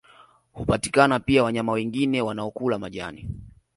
Hupatikana pia wanyama wengine wanaokula majani